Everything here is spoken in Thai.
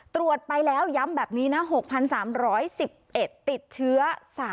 ตรวจไปแล้วย้ำแบบนี้นะ๖๓๑๑ติดเชื้อ